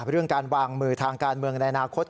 เรื่องการวางมือทางการเมืองในอนาคต